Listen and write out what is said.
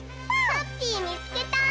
ハッピーみつけた！